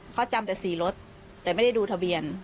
เขาจำแต่๔รถแต่ไม่ได้ดูทะเบียน